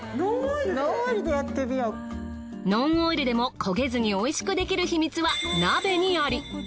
ノンオイルでも焦げずに美味しくできる秘密は鍋にあり。